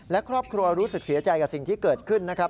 และครอบครัวรู้สึกเสียใจกับสิ่งที่เกิดขึ้นนะครับ